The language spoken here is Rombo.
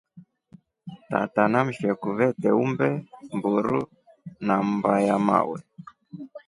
Tata na msheku vete umbe a mburu na mmba ya mawe.